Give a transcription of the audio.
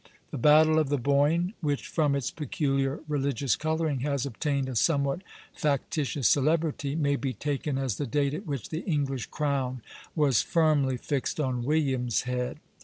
The battle of the Boyne, which from its peculiar religious coloring has obtained a somewhat factitious celebrity, may be taken as the date at which the English crown was firmly fixed on William's head.